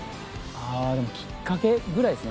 でもきっかけぐらいですね。